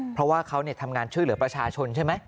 เพราะว่าเขาทำงานช่วยเหลือประชาชนใช่ไหม